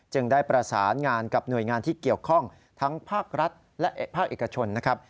ได้ประสานงานกับหน่วยงานที่เกี่ยวข้องทั้งภาครัฐและภาคเอกชนนะครับ